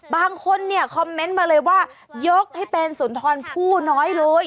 บางคนเนี่ยคอมเมนต์มาเลยว่ายกให้เป็นสุนทรผู้น้อยเลย